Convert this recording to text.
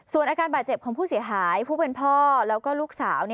ส่วนอาการบาดเจ็บของผู้เสียหายผู้เป็นพ่อแล้วก็ลูกสาว